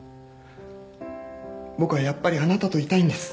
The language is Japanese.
僕はやっぱりあなたといたいんです。